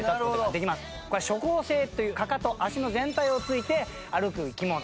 これは蹠行性というかかと足の全体をついて歩く生き物。